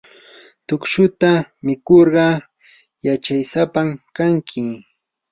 tukshuta mikurqa yachaysapam kanki.